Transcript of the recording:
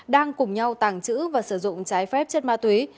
đang cùng nhau tàng trữ và sử dụng trái phép chất ma túy